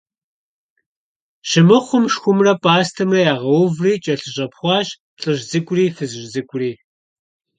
Щымыхъум – шхумрэ пӀастэмрэ ягъэуври кӀэлъыщӀэпхъуащ лӀыжь цӀыкӀури фызыжь цӀыкӀури.